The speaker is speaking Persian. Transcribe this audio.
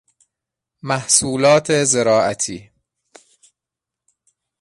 محصولات زراعتی